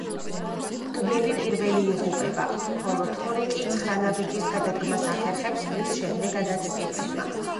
გველი პირველი იღუპება, ხოლო თორი კი ცხრა ნაბიჯის გადადგმას ახერხებს, რის შემდეგაც ეცემა.